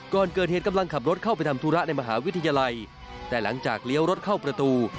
ก่อนเกิดเหตุกำลังขับรถเข้าไปทำธุระในมหาวิทยาลัยแต่หลังจากเลี้ยวรถเข้าประตู